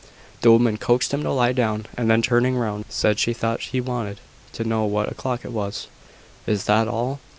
The woman coaxed him to lie down, and then turning round, said she thought he wanted to know what o'clock it was. "Is that all?